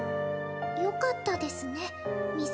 「良かったですね岬」